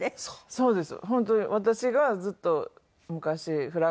そうです。